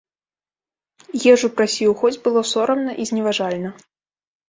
Ежу прасіў, хоць было сорамна і зневажальна.